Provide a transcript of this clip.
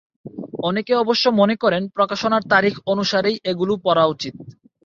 অনেকে অবশ্য মনে করেন প্রকাশনার তারিখ অনুসারেই এগুলো পড়া উচিত।